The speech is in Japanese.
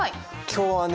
今日はね